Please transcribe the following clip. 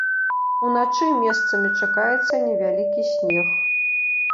Уначы месцамі чакаецца невялікі снег.